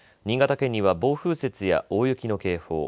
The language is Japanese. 新潟県には暴風雪や大雪の警報